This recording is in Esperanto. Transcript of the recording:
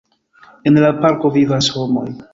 En la parko vivas homoj.